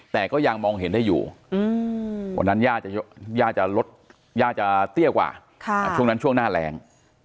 แต่ก็ยังมองเห็นได้อยู่วันนั้นย่าจะลดย่าจะเตี้ยกว่าช่วงนั้นช่วงหน้าแรง